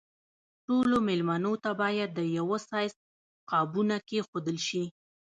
ټولو مېلمنو ته باید د یوه سایز قابونه کېښودل شي.